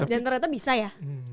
dan ternyata bisa ya